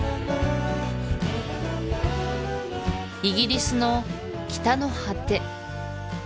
イギリスの北の果て